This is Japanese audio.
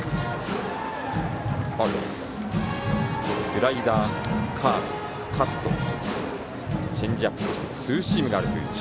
スライダー、カーブ、カットそしてチェンジアップ、そしてツーシームがあるという。